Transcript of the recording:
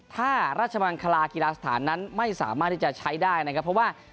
ถ้าราชมังคลากีฬาสถานนั้นไม่สามารถที่จะใช้ได้นะครับเพราะว่า